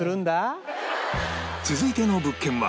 続いての物件は